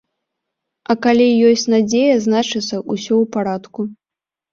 А калі ёсць надзея, значыцца, усё ў парадку.